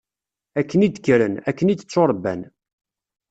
Akken i d-kkren, akken i d-tturebban.